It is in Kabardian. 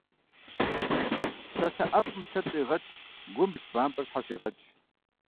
Псалъэ ӏэфӏым лъэр щӏегъэкӏ, гум илъ бампӏэр щхьэщегъэкӏ.